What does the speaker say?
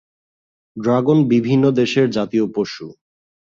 Dragon বিভিন্ন দেশের জাতীয় পশু।